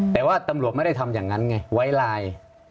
แต่ว่าตำรวจไม่ได้ทำอย่างนั้นไงไว้ไลน์